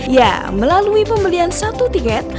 ya melalui pembelian satu tiket